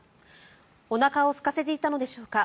おなかをすかせていたのでしょうか。